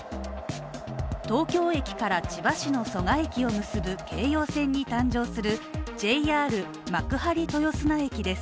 東京駅から千葉市の蘇我駅を結ぶ京葉線に誕生するＪＲ幕張豊砂駅です。